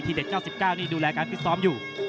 ทีเด็ด๙๙นี่ดูแลการที่ซ้อมอยู่